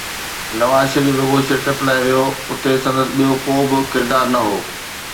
نواز شريف رڳو شرڪت لاءِ ويو، اتي سندس ٻيو ڪو به ڪردار نه هو.